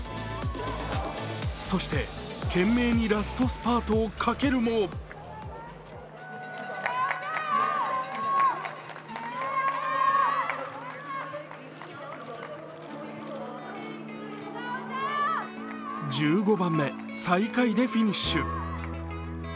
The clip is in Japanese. そして懸命にラストスパートをかけるも１５番目、最下位でフィニッシュ。